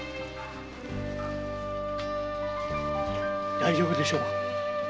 大丈夫でしょうか？